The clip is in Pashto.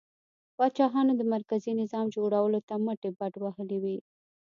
پاچاهانو د مرکزي نظام جوړولو ته مټې بډ وهلې وې.